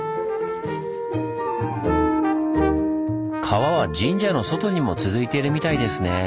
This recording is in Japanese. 川は神社の外にも続いてるみたいですねぇ。